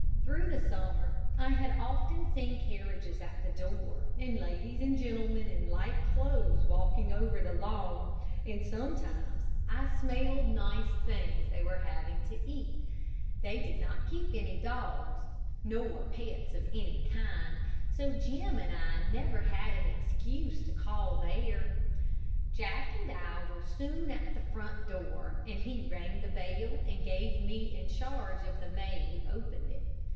Through the summer I had often seen carriages at the door, and ladies and gentlemen in light clothes walking over the lawn, and sometimes I smelled nice things they were having to eat They did not keep any dogs, nor pets of any kind, so Jim and I never had an excuse to call there. Jack and I were soon at the front door, and he rang the bell and gave me in charge of the maid who opened it.